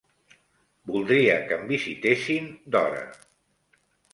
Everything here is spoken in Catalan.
Voldria que em visitessin d'hora.